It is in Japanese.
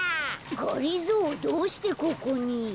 がりぞーどうしてここに？